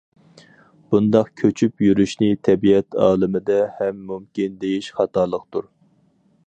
بۇنداق كۆچۈپ يۈرۈشنى تەبىئەت ئالىمىدە ھەم مۇمكىن دېيىش خاتالىقتۇر.